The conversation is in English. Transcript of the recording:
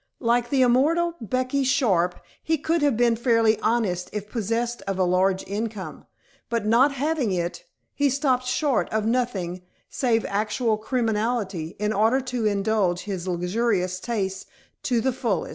Like the immortal Becky Sharp, he could have been fairly honest if possessed of a large income; but not having it he stopped short of nothing save actual criminality in order to indulge his luxurious tastes to the full.